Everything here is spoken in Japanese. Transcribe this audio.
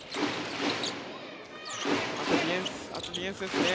あとディフェンスですね